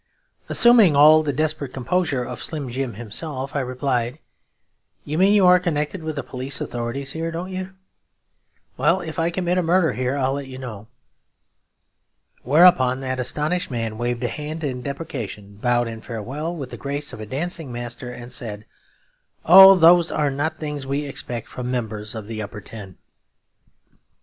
Assuming all the desperate composure of Slim Jim himself, I replied, 'You mean you are connected with the police authorities here, don't you? Well, if I commit a murder here, I'll let you know.' Whereupon that astonishing man waved a hand in deprecation, bowed in farewell with the grace of a dancing master; and said, 'Oh, those are not things we expect from members of the Upper Ten.'